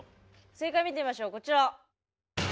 正解見てみましょうこちら！